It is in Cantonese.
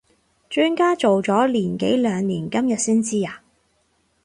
磚家做咗年幾兩年今日先知呀？